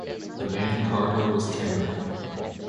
The main cargo was timber.